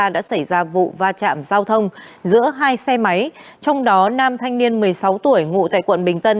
đã xảy ra vụ va chạm giao thông giữa hai xe máy trong đó nam thanh niên một mươi sáu tuổi ngụ tại quận bình tân